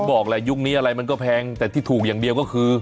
บอกแหละยุคนี้อะไรมันก็แพงแต่ที่ถูกอย่างเดียวก็คือ